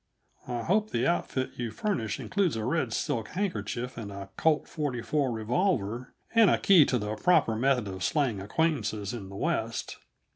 I hope the outfit you furnish includes a red silk handkerchief and a Colt's .44 revolver, and a key to the proper method of slaying acquaintances in the West.